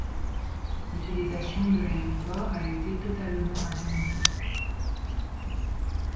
L'utilisation de l’aéroport a été totalement interrompue.